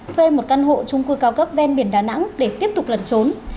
thuê một căn hộ chung cư cao cấp ven biển đà nẵng để tiếp tục lần trốn